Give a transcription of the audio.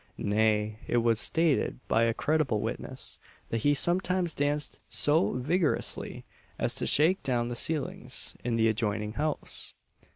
Nay, it was stated by a credible witness, that he sometimes danced so vigorously as to shake down the ceilings in the adjoining house!